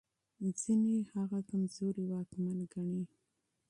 ځينې هغه کمزوری واکمن ګڼي.